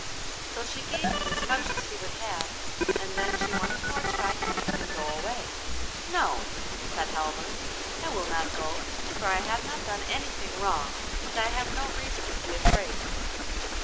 So she gave him as much as he would have, and then she once more tried to make him go away. 'No,' said Halvor, 'I will not go, for I have not done anything wrong, and I have no reason to be afraid.